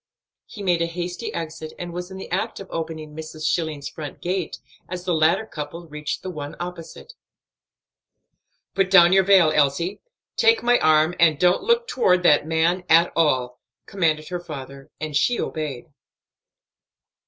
He made a hasty exit and was in the act of opening Mrs. Schilling's front gate as the latter couple reached the one opposite. "Put down your veil, Elsie; take my arm; and don't look toward that man at all," commanded her father, and she obeyed.